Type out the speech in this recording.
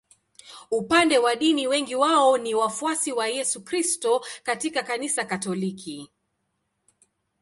Upande wa dini wengi wao ni wafuasi wa Yesu Kristo katika Kanisa Katoliki.